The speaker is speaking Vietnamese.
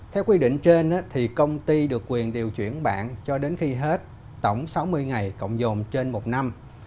theo quy định trên thì công ty được quyền điều chuyển bạn cho đến khi hết tổng sáu mươi ngày cộng dồn trên một năm